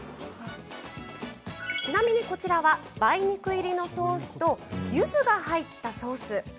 ちなみに、こちらは梅肉入りのソースとゆずが入ったソース。